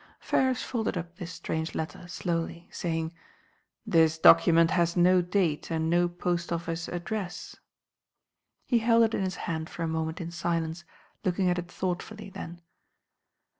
Ferrars folded up this strange letter slowly, saying: "This document has no date and no post office address." He held it in his hand for a moment in silence, looking at it thoughtfully, then.